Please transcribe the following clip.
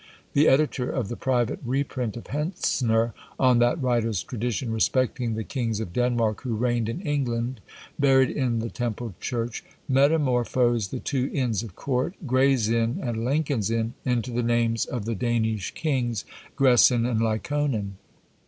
The editor of the private reprint of Hentzner, on that writer's tradition respecting "the Kings of Denmark who reigned in England" buried in the Temple Church, metamorphosed the two Inns of Court, Gray's Inn and Lincoln's Inn, into the names of the Danish kings, Gresin and Lyconin.